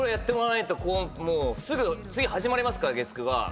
すぐ次始まりますから月９が。